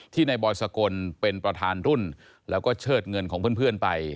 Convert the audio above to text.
นายบอยสกลเป็นประธานรุ่นแล้วก็เชิดเงินของเพื่อนไป